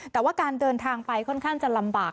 แต่ว่าการเดินทางไปค่อนข้างจะลำบาก